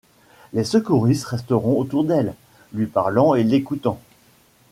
Les secouristes resteront autour d'elle, lui parlant et l'écoutant.